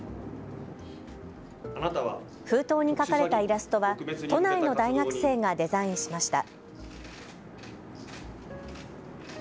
封筒に描かれたイラストは都内の大学生がデザインしました。